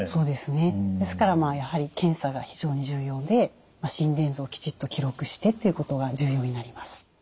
ですからやはり検査が非常に重要で心電図をきちっと記録してということが重要になります。